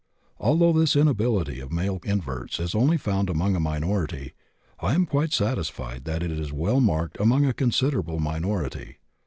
Although this inability of male inverts is only found among a minority, I am quite satisfied that it is well marked among a considerable minority.